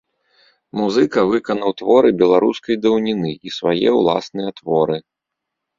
Музыка выканаў творы беларускай даўніны і свае ўласныя творы.